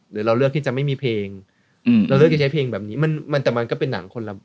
หรือเราเลือกที่จะไม่มีเพลงเราเลือกจะใช้เพลงแบบนี้มันแต่มันก็เป็นหนังคนละ